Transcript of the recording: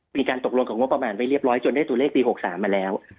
มีการตกลงกับงบประมาณไว้เรียบร้อยจนได้ตัวเลขปี๖๓มาแล้ว